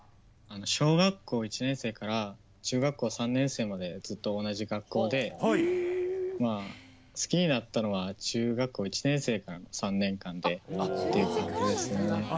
小学校１年生から中学校３年生までずっと同じ学校で好きになったのは中学校１年生からの３年間でという感じですね。